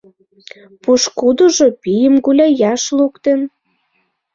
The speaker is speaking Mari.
Пошкудыжо пийым гуляяш луктын.